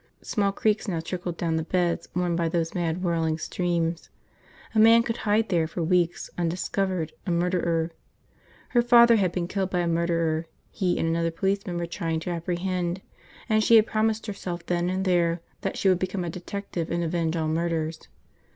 Small creeks now trickled down the beds worn by those mad, whirling streams. A man could hide there for weeks, undiscovered – a murderer. Her father had been killed by a murderer he and another policeman were trying to apprehend, and she had promised herself then and there that she would become a detective and avenge all murders.